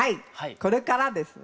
これからです。